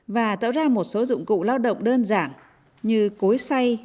và tạo ra một số dụng cụ lao động đơn giản như cối say